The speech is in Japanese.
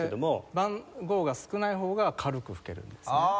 番号が少ない方が軽く吹けるんですね。